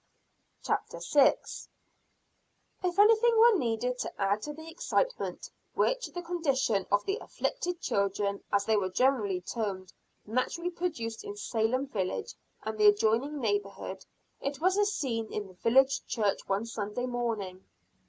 CHAPTER VI. A Disorderly Scene in Church. If anything were needed to add to the excitement which the condition of the "afflicted children," as they were generally termed, naturally produced in Salem village and the adjoining neighborhood, it was a scene in the village church one Sunday morning.